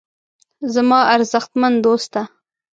زما ارزښتمن دوسته.